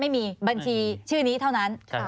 ไม่มีบัญชีชื่อนี้เท่านั้น